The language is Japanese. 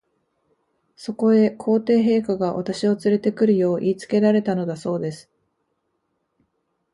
そこへ、皇帝陛下が、私をつれて来るよう言いつけられたのだそうです。